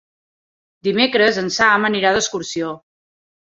Dimecres en Sam anirà d'excursió.